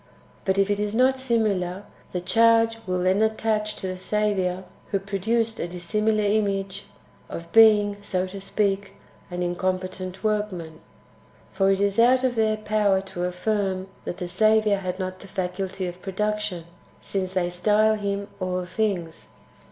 But if it is not similar, the charge will then attach to the Saviour, who produced a dissimilar image, — of being, so to speak, an incom petent workman. For it is out of their power to affirm that the Saviour had not the faculty of production, since they style Him All Things.